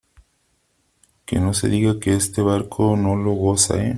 ¡ que no se diga que este barco no lo goza !¿ eh ?